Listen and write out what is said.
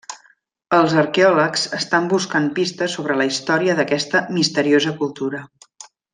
Els arqueòlegs estan buscant pistes sobre la història d'aquesta misteriosa cultura.